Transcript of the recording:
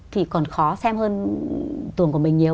thì còn khó xem hơn tuồng của mình nhiều